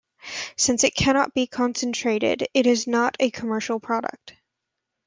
Since it cannot be concentrated, it is not a commercial product.